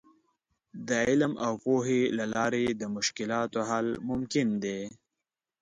د علم او پوهې له لارې د مشکلاتو حل ممکن دی.